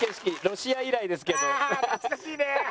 ロシア以来ですけど。